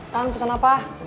tan pesen apa